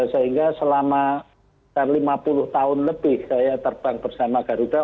sehingga selama lima puluh tahun lebih saya terbang bersama garuda